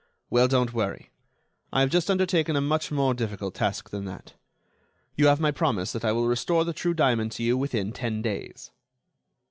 "Well, don't worry. I have just undertaken a much more difficult task than that. You have my promise that I will restore the true diamond to you within ten days."